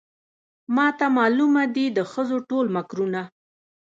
ماته معلومه دي د ښځو ټول مکرونه